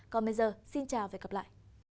còn bây giờ xin chào và hẹn gặp lại